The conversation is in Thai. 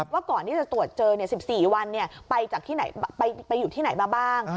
ว่าก่อนที่จะตรวจเจอ๑๔วันไปอยู่ที่ไหนมาบ้าง